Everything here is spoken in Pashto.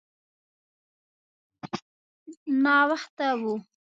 ناوخته و.